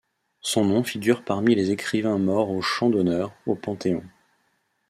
Son nom figure parmi les écrivains morts au champ d'honneur, au Panthéon.